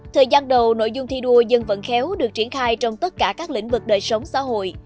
thời gian đầu nội dung thi đua dân vận khéo được triển khai trong tất cả các lĩnh vực đời sống xã hội